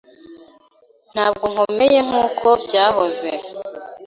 Ntabwo nkomeye nkuko byahoze.